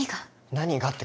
「何が？」って